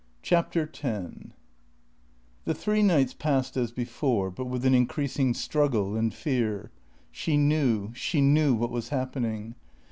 CHAPTER TEN The three nights passed as before, but with an increasing struggle and fear. She knew, she knew what was happening.